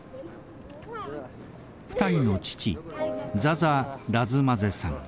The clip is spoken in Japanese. ２人の父ザザ・ラズマゼさん。